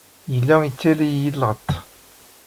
Yella yettaley-iyi-d lɣeṭṭ.